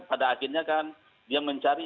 pada akhirnya kan dia mencari